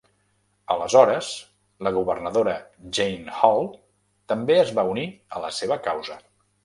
Aleshores la Governadora Jane Hull també es va unir a la seva causa.